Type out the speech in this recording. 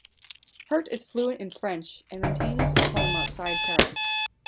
Hurt is fluent in French and maintains a home outside Paris.